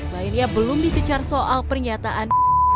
lainnya belum dicecar soal pernyataan